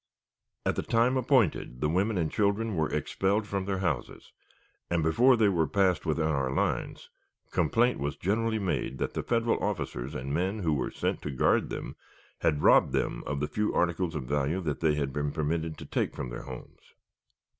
At the time appointed, the women and children were expelled from their houses, and, before they were passed within our lines, complaint was generally made that the Federal officers and men who were sent to guard them had robbed them of the few articles of value they had been permitted to take from their homes.